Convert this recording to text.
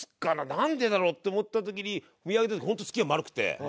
「なんでだろう」って思った時に見上げた時ホント月が丸くて。